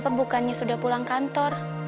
bapak bukannya sudah pulang kantor